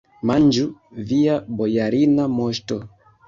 Manĝu, via bojarina moŝto!